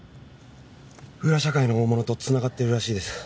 裏社会の大物とつながってるらしいです。